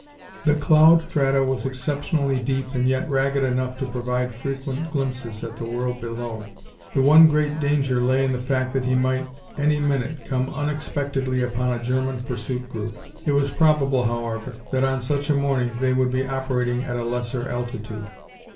The cloud strata was exceptionally deep and yet ragged enough to provide frequent glimpses at the world below. The one great danger lay in the fact that he might any minute come unexpectedly upon a German pursuit group. It was probable, however, that on such a morning they would be operating at a lesser altitude.